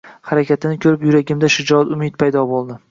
harakatini koʻrib, yuragimda shijoat, umid paydo boʻldi